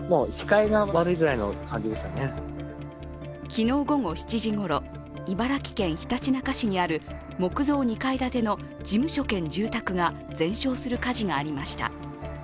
昨日午後７時ごろ茨城県ひたちなか市にある木造２階建ての事務所兼住宅が全焼する火事がありました。